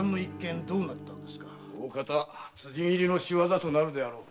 辻斬りの仕業となるであろう。